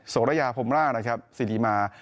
โสระยาภมรานะครับสิริมา